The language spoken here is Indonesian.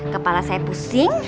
kepala saya pusing